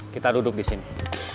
kita duduk di sini